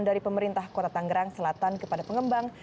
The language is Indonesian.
dari pemerintah kota tanggerang selatan kepada pengembang